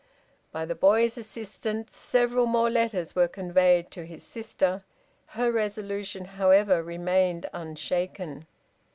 By the boy's assistance several more letters were conveyed to his sister. Her resolution, however, remained unshaken.